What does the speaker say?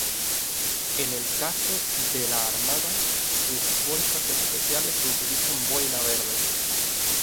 En el caso de la Armada sus fuerzas especiales utilizan boina verde.